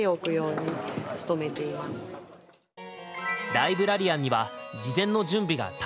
ライブラリアンには事前の準備がたくさんある。